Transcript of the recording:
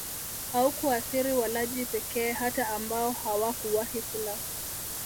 haukuathiri walaji pekee hata ambao hawakuwahi kula